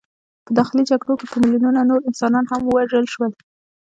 په داخلي جګړو کې په میلیونونو نور انسانان هم ووژل شول.